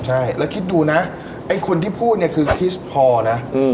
ใช่แล้วคิดดูนะไอ้คนที่พูดเนี่ยคือคริสพอนะ